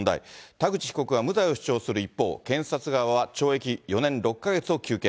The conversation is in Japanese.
田口被告は無罪を主張する一方、検察側は懲役４年６か月を求刑。